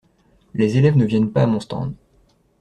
Les élèves ne viennent pas à mon stand.